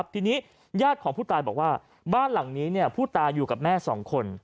ทีนี้ญาติของผู้ตายบอกว่าบ้านหลังนี้ผู้ตายอยู่กับแม่สองคน